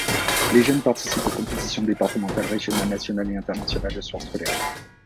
Les jeunes participent aux compétitions départementales, régionales, nationales et internationales de sport scolaire.